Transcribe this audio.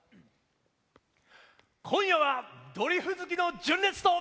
今夜はドリフ好きの純烈と。